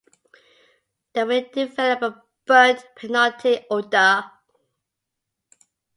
They will develop a burnt, peanutty odor.